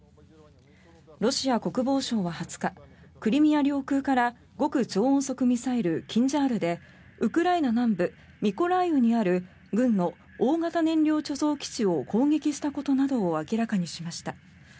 ロシア国防省は２０日クリミア領空から極超音速ミサイルキンジャールでウクライナ南部ミコライウにある軍の大型燃料貯蔵基地を攻撃したことなどを明らかにしました。